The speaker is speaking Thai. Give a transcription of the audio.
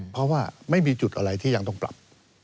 เพราะว่าไม่มีจุดอะไรที่ยังต้องปรับ